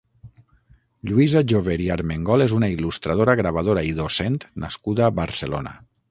Lluisa Jover i Armengol és una il·lustradora, gravadora i docent nascuda a Barcelona.